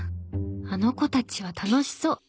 あの子たちは楽しそう。